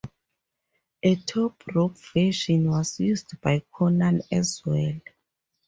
A top rope version was used by Konnan as well.